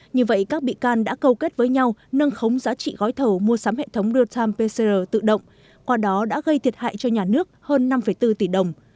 như vậy các bị can đã câu kết với nhau nâng khống giá trị gói thầu mua sắm hệ thống real time pcr tự động qua đó đã gây thiệt hại cho nhà nước hơn năm bốn tỷ đồng